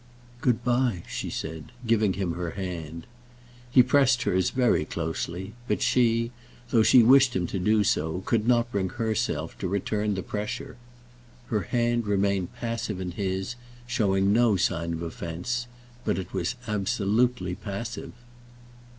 "Good by," she said, giving him her hand. He pressed hers very closely, but she, though she wished to do so, could not bring herself to return the pressure. Her hand remained passive in his, showing no sign of offence; but it was absolutely passive.